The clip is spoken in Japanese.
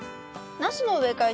ナスの植え替え